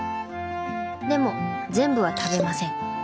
でも全部は食べません。